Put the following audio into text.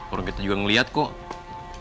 orang kita juga melihat kok